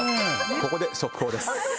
ここで速報です。